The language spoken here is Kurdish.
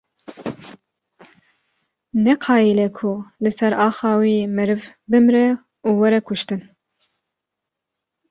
Neqayîle ku li ser axa wî meriv bimre û were kuştin.